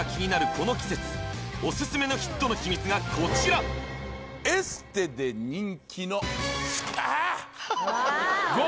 この季節オススメのヒットの秘密がこちらエステで人気の何？